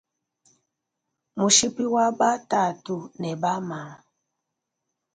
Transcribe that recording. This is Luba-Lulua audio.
Mushipi wa ba tatue ne wa ba mamu.